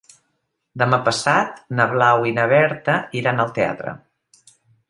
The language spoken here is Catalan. Demà passat na Blau i na Berta iran al teatre.